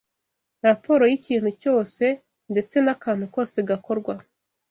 Raporo y’ikintu cyose, ndetse n’akantu kose gakorwa